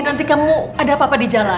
nanti kamu ada apa apa di jalan